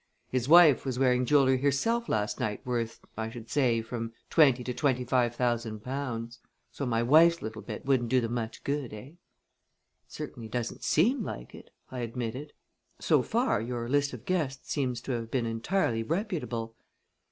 His wife was wearing jewelry herself last night worth, I should say, from twenty to twenty five thousand pounds; so my wife's little bit wouldn't do them much good, eh?" "It certainly doesn't seem like it," I admitted. "So far, your list of guests seems to have been entirely reputable."